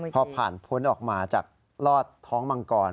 พอผ่านพ้นออกมาจากลอดท้องมังกร